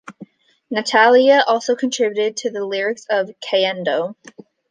Natalia also contributed to the lyrics of "Cayendo".